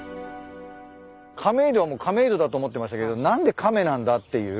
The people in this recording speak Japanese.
亀戸はもう亀戸だと思ってましたけど何で亀なんだっていう。